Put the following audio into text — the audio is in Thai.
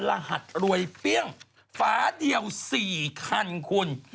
รหัสรวยเปรี้ยงฝาเดียว๔คันคุณ